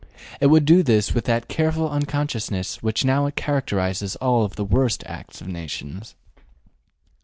It would do this with that careful unconsciousness which now characterizes all the worst acts of nations.